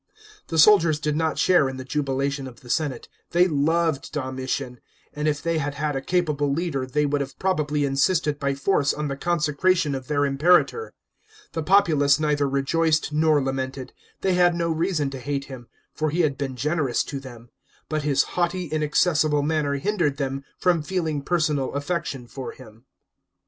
The soldiers did not share in the jubilation of the senate ; they loved Domitian, and if they had had a capable leader they would have probably insisted by force on the consecration of then: imperator. The populace neither rejoiced nor lamented ; they had no reason to hate him, tor he had been generous to them ; but his haughty, inaccessible manner hindered them from feeling personal affec tion for him.